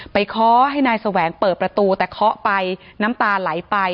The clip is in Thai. เคาะให้นายแสวงเปิดประตูแต่เคาะไปน้ำตาไหลไป